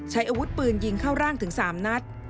ใช้อาวุธปืนยิงเข้าร่างถึง๓นัด